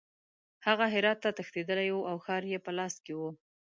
هغه هرات ته تښتېدلی وو او ښار یې په لاس کې وو.